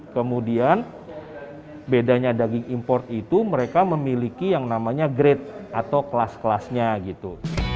kemudian bedanya daging import itu mereka memiliki yang namanya grade atau kelas kelasnya gitu